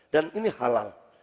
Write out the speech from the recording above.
dan ini halal